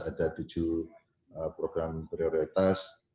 ada tujuh program prioritas